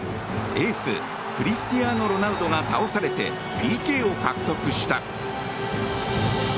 エースクリスティアーノ・ロナウドが倒されて、ＰＫを獲得した。